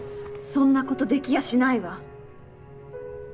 そんなことできやしないわ。